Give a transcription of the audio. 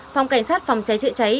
phòng cảnh sát phòng cháy trị cháy